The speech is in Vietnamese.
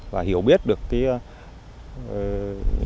và hiểu biết được cái